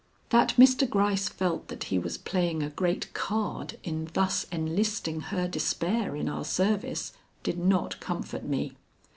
That Mr. Gryce felt that he was playing a great card in thus enlisting her despair in our service, did not comfort me.